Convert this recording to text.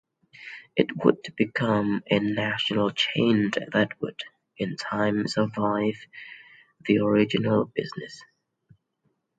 It would become a national chain that would, in time, survive the original business.